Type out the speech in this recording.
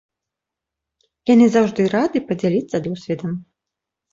Яны заўжды рады падзяліцца досведам.